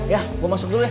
ya gue masuk dulu ya